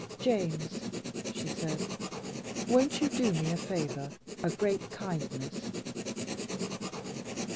"James," she said, "won't you do me a favor, a great kindness?"